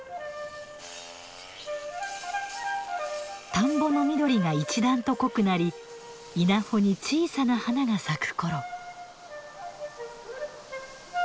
田んぼの緑が一段と濃くなり稲穂に小さな花が咲く頃。